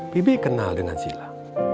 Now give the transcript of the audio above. bibi kenal dengan sila